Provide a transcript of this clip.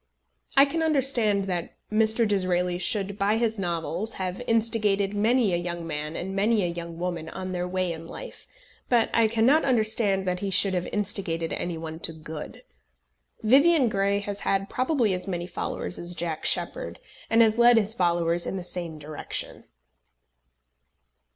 I can understand that Mr. Disraeli should by his novels have instigated many a young man and many a young woman on their way in life, but I cannot understand that he should have instigated any one to good. Vivian Grey has had probably as many followers as Jack Sheppard, and has led his followers in the same direction.